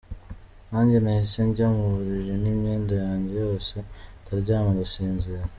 Nanjye nahise njya mu buriri n’imyenda yanjye yose ndaryama ndasinzira.